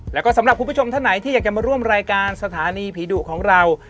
แล้วก็สำหรับคุณผู้ชมท่านไหนที่อยากจะมาร่วมรายการสถานีผีดุของเรา